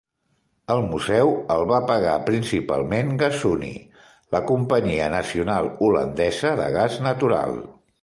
El museu el va pagar principalment Gasunie, la companyia nacional holandesa de gas natural.